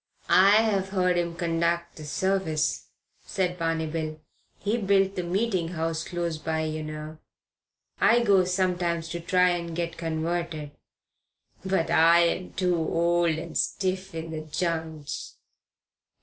"I've heard him conduc' the service," said Barney Bill. "He built the Meeting House close by, yer know. I goes sometimes to try and get converted. But I'm too old and stiff in the j'ints.